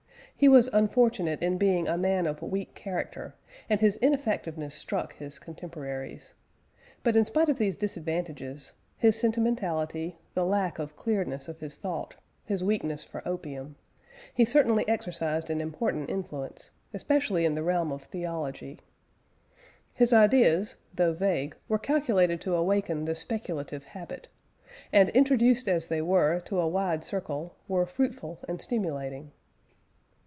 He was unfortunate in being a man of weak character, and his ineffectiveness struck his contemporaries. But in spite of these disadvantages his sentimentality, the lack of clearness of his thought, his weakness for opium he certainly exercised an important influence, especially in the realm of theology. His ideas, though vague, were calculated to awaken the speculative habit, and, introduced as they were, to a wide circle, were fruitful and stimulating.